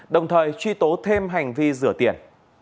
đồng thời truy tố thêm hành vi rửa tiền